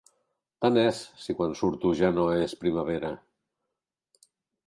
Tant és si quan surto ja no és primavera.